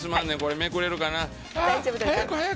めくれるかな。